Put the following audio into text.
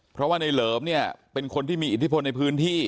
เพราะว่าในเหลิมเนี่ยเป็นคนที่มีอิทธิพลในพื้นที่